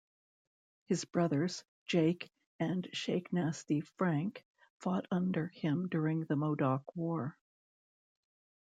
His brothers, Jake and Shacknasty Frank, fought under him during the Modoc War.